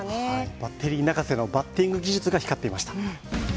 バッテリー泣かせのバッティング技術が光っていました。